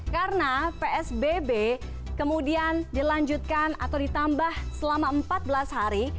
karena psbb kemudian dilanjutkan atau ditambah selama empat belas hari